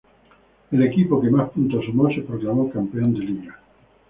El equipo que más puntos sumó se proclamó campeón de liga.